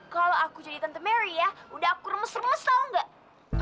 kalau aku jadi tante mary ya udah aku remes remes tahu nggak